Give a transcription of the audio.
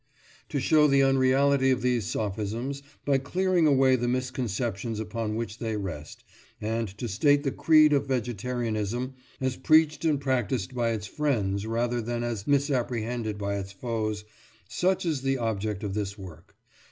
To show the unreality of these sophisms, by clearing away the misconceptions upon which they rest, and to state the creed of vegetarianism as preached and practised by its friends rather than as misapprehended by its foes—such is the object of this work.